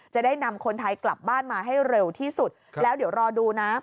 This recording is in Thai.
จะได้นำคนไทยกลับบ้านมาให้เร็วที่สุดแล้วเดี๋ยวรอดูนะ